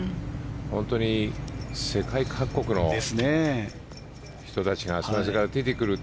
本当に世界各国の人たちがそれぞれ出てくる。